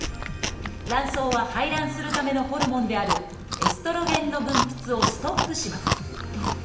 卵巣は排卵するためのホルモンであるエストロゲンの分泌をストップします。